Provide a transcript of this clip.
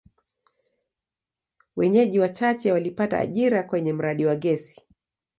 Wenyeji wachache walipata ajira kwenye mradi wa gesi.